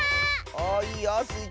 おっいいよスイ